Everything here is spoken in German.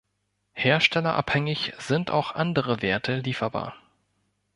Herstellerabhängig sind auch andere Werte lieferbar.